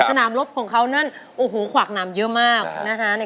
สนามรบของเขานั่นโอ้โหขวากหนามเยอะมากนะคะ